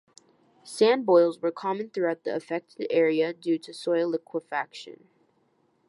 Sand boils were common throughout the affected area due to soil liquefaction.